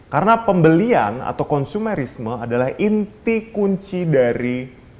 karena pembelian atau konsumerisme adalah inti kunci dari